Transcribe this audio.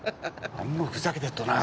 あんまふざけてっとなぁ。